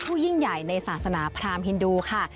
ยิ่งใหญ่ในศาสนาพรามฮินดูค่ะ